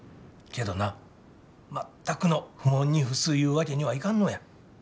けどな全くの不問に付すいうわけにはいかんのや。